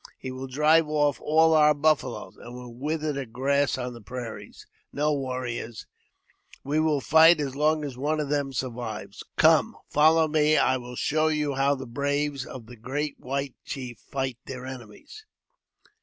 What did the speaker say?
He will drive off all our buffaloes, and will wither the grass on the prairies. No, warriors ! we will fight as long as one of them survives. Come, follow me, and I will show you how the braves of the great white chief fight their enemies